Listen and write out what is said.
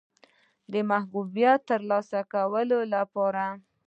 د محبوبیت د ترلاسه کولو لپاره.